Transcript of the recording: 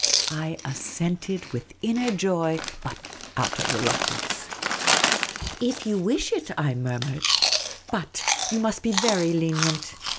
I assented, with inner joy, but outer reluctance. " If you wish it," I murmured ;" but — you must be very lenient